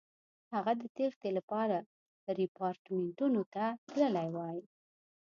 هغه د تېښتې لپاره ریپارټیمنټو ته تللی وای.